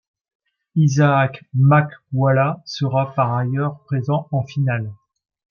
Isaac Makwala sera par ailleurs présent en finale.